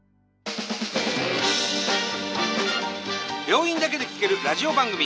病院だけで聴けるラジオ番組。